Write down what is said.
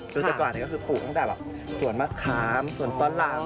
นั่นก็ออกมาก็คือปลูกตั้งแต่สวนมะคาร์มสวนฟ้อนรัง